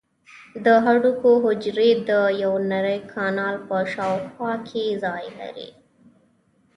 د هډوکو حجرې د یو نري کانال په شاوخوا کې ځای لري.